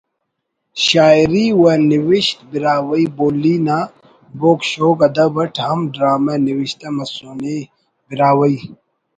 شاعری و نوشت براہوئی بولی نا بوگ شوگ ادب اٹ ہم ڈرامہ نوشتہ مسنے براہوئی